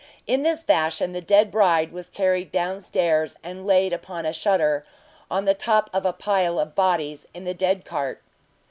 In this fashion the dead bride was carried down stairs, and laid upon a shutter on the top of a pile of bodies in the dead cart.